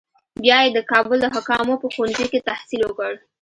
بیا یې د کابل د حکامو په ښوونځي کې تحصیل وکړ.